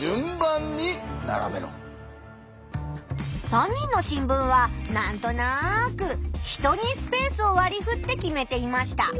３人の新聞はなんとなく人にスペースをわりふって決めていました。